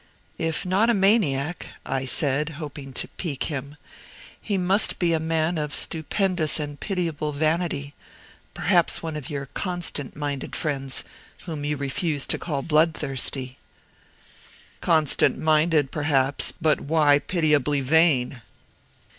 "If not a maniac," said I, hoping to pique him, "he must be a man of stupendous and pitiable vanity, perhaps one of your constant minded friends, whom you refuse to call bloodthirsty." "Constant minded, perhaps; but why pitiably vain?"